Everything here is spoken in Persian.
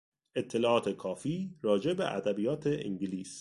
اطلاعات کافی راجع به ادبیات انگلیس